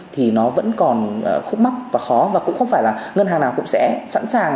thì nó vẫn còn khúc mắc và khó và cũng không phải là ngân hàng nào cũng sẽ sẵn sàng